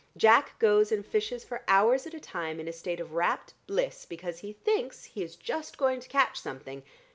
Jack goes and fishes for hours at a time in a state of rapt bliss, because he thinks he is just going to catch something.